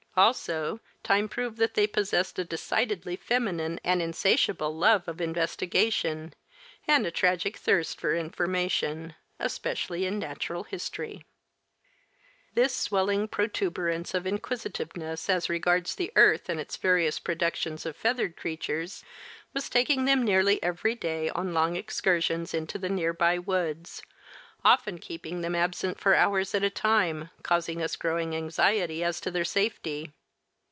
Also, time proved that they possessed a decidedly feminine and insatiable love of investigation and a tragic thirst for information, especially in natural history. This swelling protuberance of inquisitiveness as regards the earth and its various productions of feathered creatures was taking them nearly every day on long excursions into the near by woods, often keeping them absent for hours at a time causing us growing anxiety as to their safety.